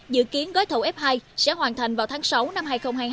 dự kiến gói thầu f hai sẽ hoàn thành vào tháng sáu năm hai nghìn hai mươi hai